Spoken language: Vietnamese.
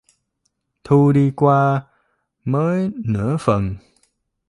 Thu đi qua mới nửa phần